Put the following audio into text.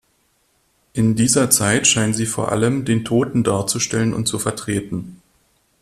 In dieser Zeit scheinen sie vor allem den Toten darzustellen und zu vertreten.